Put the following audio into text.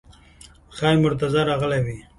ښایي مرتضی راغلی وي.